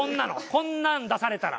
こんなん出されたら。